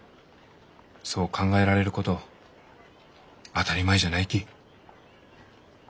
そう考えられること当たり前じゃないき。